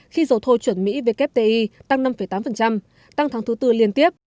khi dầu thô chuẩn mỹ wti tăng năm tám tăng tháng thứ tư liên tiếp